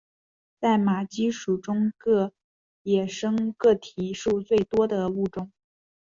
在马鸡属中个野生个体数最多的物种。